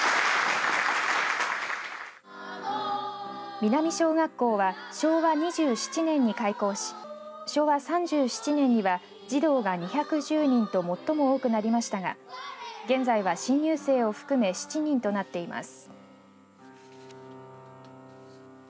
南小学校は昭和２７年に開校し昭和３７年には児童が２１０人と最も多くなりましたが現在は新入生を含め７人となっています。